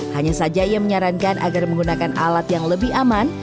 hanya saja ia menyarankan agar menggunakan alat yang lebih aman